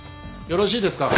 よろしいですか？